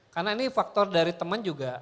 karena ini faktor dari teman juga